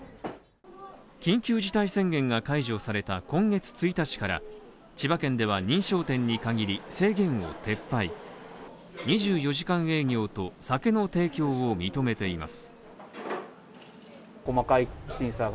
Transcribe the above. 緊急事態宣言が解除された今月１日から千葉県では認証店に限り、制限を撤廃２４時間営業と酒の提供を認めています。